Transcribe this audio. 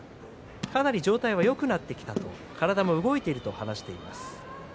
かなり状態がよくなってきたと体も動いていると話していました。